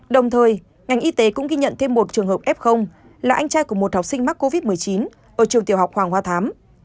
đồng thời ngành y tế cũng ghi nhận thêm một trường hợp f là anh trai của một học sinh mắc covid một mươi chín ở trường tiểu học hoàng hoa thám